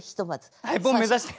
はいボン目指して。